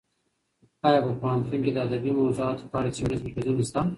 ایا په پوهنتونونو کې د ادبي موضوعاتو په اړه څېړنیز مرکزونه شته؟